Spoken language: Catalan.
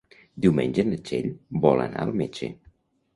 Diumenge na Txell vol anar al metge.